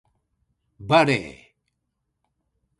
バレー